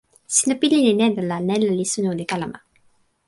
sina pilin e nena la nena li suno li kalama.